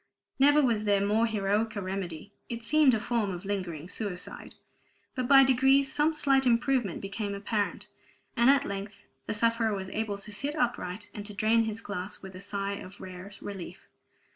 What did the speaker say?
Never was more heroic remedy; it seemed a form of lingering suicide; but by degrees some slight improvement became apparent, and at length the sufferer was able to sit upright, and to drain his glass with a sigh of rare relief.